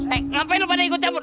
eh ngapain lo pada ikut cabut